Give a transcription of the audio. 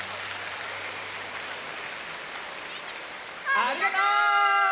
ありがとう！